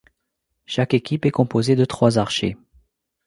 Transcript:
Chaque équipe est composée de trois archers.